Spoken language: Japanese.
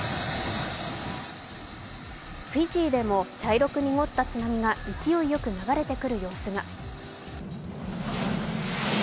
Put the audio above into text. フィジーでも茶色く濁った津波が勢いよく流れてくる様子が。